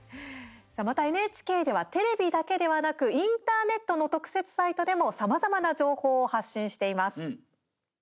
また、ＮＨＫではテレビだけではなくインターネットの特設サイトでもさまざまな情報を発信しています。